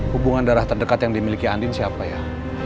hubungan darah terdekat yang dimiliki andin siapa ya